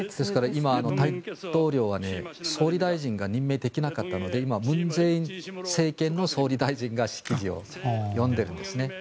今、大統領は総理大臣が任命できなかったので今、文在寅政権の総理大臣が式辞を読んでるんです。